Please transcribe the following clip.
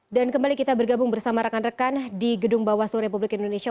dan kembali kita bergabung bersama rakan rakan di gedung bawah seluruh republik indonesia